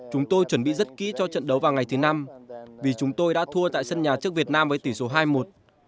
chúng tôi chuẩn bị rất kỹ cho trận đấu vào ngày thứ năm vì chúng tôi đã thua tại sân nhà trước việt nam với tỷ số hai một